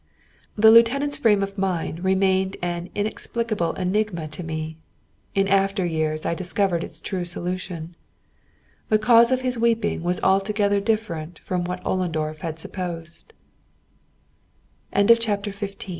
The lieutenant's frame of mind remained an inexplicable enigma to me. In after years I discovered its true solution. The cause of his weeping was altogether different from what Ollendorf had supposed. CHAPTER XVI SOLDIERING The idy